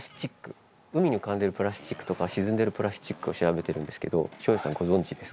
海に浮かんでいるプラスチックとか沈んでいるプラスチックを調べてるんですけど照英さんご存じですか？